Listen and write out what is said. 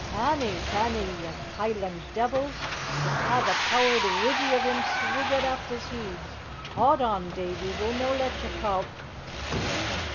"Canny! Canny! ye Hieland deevils! Ye'll hae the pouthered wiggie o' him swiggit aff his heed! Haud on, Davie; we'll no let ye cowp!"